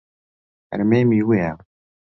هەرمێ میوەیە.